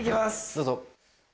どうぞ。